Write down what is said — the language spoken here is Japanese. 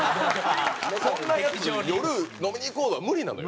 そんなヤツに「夜飲みに行こう」は無理なのよ。